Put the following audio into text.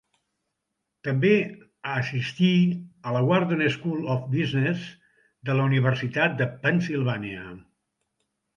També ha assistir a la Wharton School of Business de la Universitat de Pennsylvania.